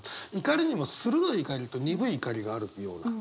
怒りにも鋭い怒りと鈍い怒りがあるような。